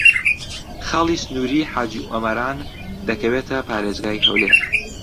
خاڵی سنووریی حاجی ئۆمەران دەکەوێتە پارێزگای هەولێر.